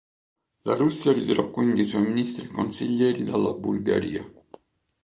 La Russia ritirò quindi i suoi ministri e consiglieri dalla Bulgaria.